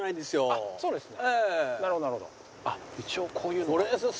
あっそうですか。